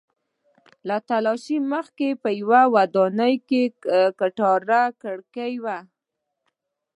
له تالاشۍ مخکې په یوې ودانۍ کې کتار کړکۍ وې.